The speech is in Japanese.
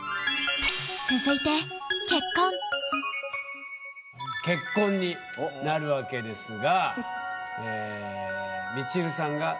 続いて結婚になるわけですが。